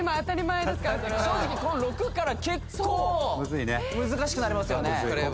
正直この６から結構難しくなりますよね